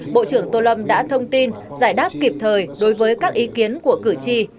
bộ trưởng tô lâm đã thông tin giải đáp kịp thời đối với các ý kiến của cử tri